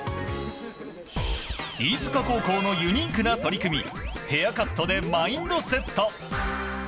飯塚高校のユニークな取り組みヘアカットでマインドセット。